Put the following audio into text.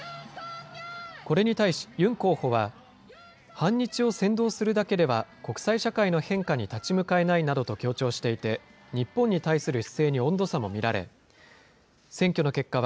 これに対し、ユン候補は、反日を扇動するだけでは、国際社会の変化に立ち向かえないなどと強調していて、日本に対す